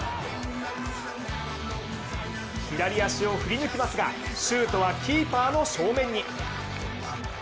左足を振り抜きますが、シュートはキーパーの正面に。